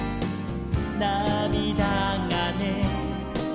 「なみだがね」